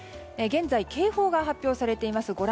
現在、警報が発表されています。